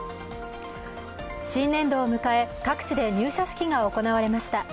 新年度を迎え各地で入社式が行われました。